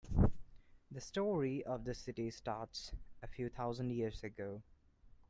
The story of the city starts a few thousand years ago.